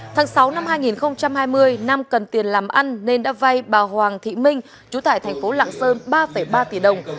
tháng sáu năm hai nghìn hai mươi nam cần tiền làm ăn nên đã vay bà hoàng thị minh chú tại thành phố lạng sơn ba ba tỷ đồng